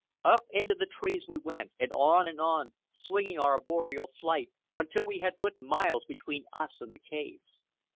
Up into the trees we went, and on and on, swinging our arboreal flight until we had put miles between us and the caves.